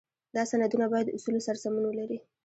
دا سندونه باید د اصولو سره سمون ولري.